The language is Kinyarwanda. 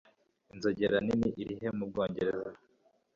Inzogera nini irihe mu Bwongereza?